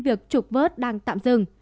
việc trục vớt đang tạm dừng